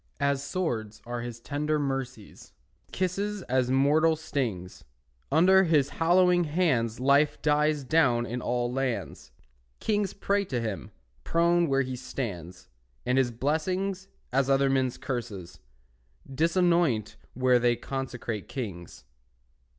As swords are his tender mercies, His kisses as mortal stings; Under his hallowing hands Life dies down in all lands; Kings pray to him, prone where he stands, And his blessings, as other men's curses, Disanoint where they consecrate kings.